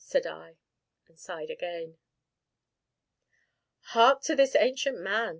said I, and sighed again. "Hark to this ancient man!"